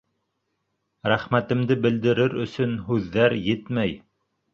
Рәхмәтемде белдерер өсөн һүҙҙәр етмәй.